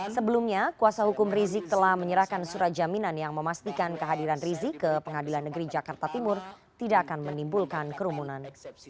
sebelumnya kuasa hukum rizik telah menyerahkan surat jaminan yang memastikan kehadiran rizik ke pengadilan negeri jakarta timur tidak akan menimbulkan kerumunan